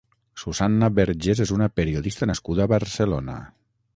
Susanna Bergés és una periodista nascuda a Barcelona.